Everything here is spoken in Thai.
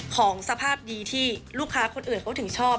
ของสภาพดีที่ลูกค้าคนอื่นเขาถึงชอบ